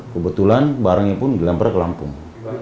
kebetulan barangnya pun dilempar ke lampung